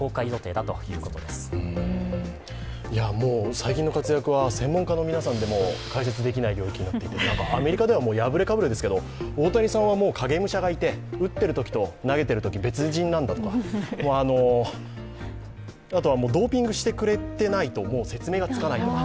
最近の活躍は専門家の皆さんでも解説できない領域になってきていて、アメリカではやぶれかぶれですけど、大谷さんは影武者がいて打ってるときと投げてるとき別人なんだとかあとはもうドーピングしてくれてないともう説明がつかないと。